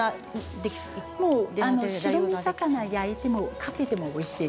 白身魚を焼いてかけてもおいしい。